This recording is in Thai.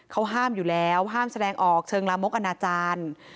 เขาห้ามอยู่แล้วห้ามแสดงออกเชิงลามกอนาจารย์